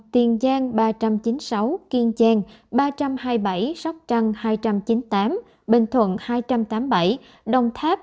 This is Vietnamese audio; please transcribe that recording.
tiền giang ba trăm chín mươi sáu kiên trang ba trăm hai mươi bảy sóc trăng hai trăm chín mươi tám bình thuận hai trăm tám mươi bảy đồng tháp hai trăm bảy mươi bốn